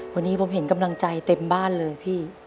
วันนี้ผมเห็นกำลังใจเต็มบ้านเลยพี่